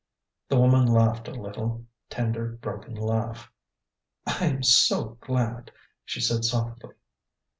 The woman laughed a little, tender, broken laugh. "I am so glad!" she said softly.